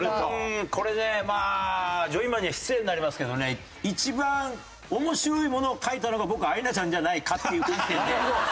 これねまあジョイマンには失礼になりますけどね一番面白いものを書いたのが僕アイナちゃんじゃないかっていう観点で。